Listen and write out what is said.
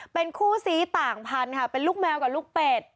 เป็นคู่ซี้ต่างพันธุ์ค่ะเป็นลูกแมวกับลูกเป็ด